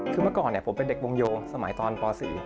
คือเมื่อก่อนผมเป็นเด็กวงโยงสมัยตอนป๔